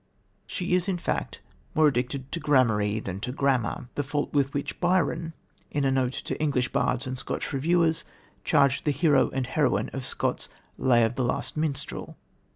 She is, in fact, more addicted to "gramarye" than to "grammar" the fault with which Byron, in a note to English Bards and Scotch Reviewers, charged the hero and heroine of Scott's Lay of the Last Minstrel.